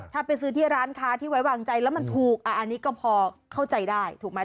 ถ้าไปซื้อที่ร้านค้าที่ไว้วางใจแล้วมันถูกอันนี้ก็พอเข้าใจได้ถูกไหม